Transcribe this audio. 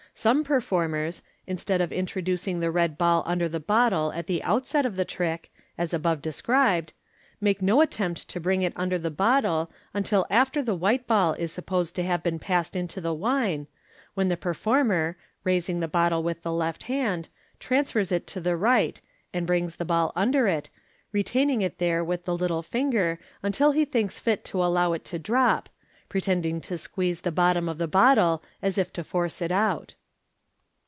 Some per formers, instead of introducing the red ball under the bottle at the outset of the trick, as above described, make no attempt to bring it under the bottle until after the white ball is supposed to have been passed into the wine, when the performer, raising the bottle with the left hand, transfers it to the right, and brings the bail undei k, retaining it there with the little finger until he thinks fit to allow it to drop, pretending to squeeze the bottom of the bottle as if to force it out.